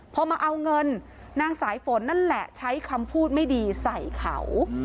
พอมาเอาเงินนางสายฝนนั่นแหละใช้คำพูดไม่ดีใส่เขา